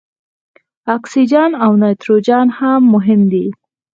اکسیجن او نایتروجن هم مهم دي.